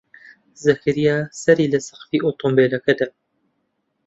زەکەریا سەری لە سەقفی ئۆتۆمۆبیلەکە دا.